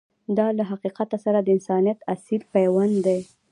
دا له حقیقت سره د انسانیت اصیل پیوند دی.